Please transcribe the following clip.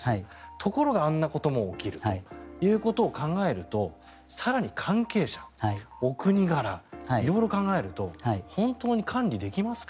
ところが、あんなことも起きるということを考えると更に関係者やお国柄、色々考えると本当に管理できますか？